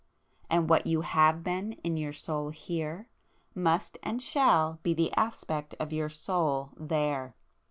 —and what you have been in your Soul here, must and shall be the aspect of your Soul there!